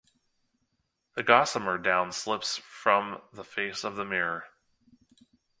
The gossamer down slips from the face of the mirror.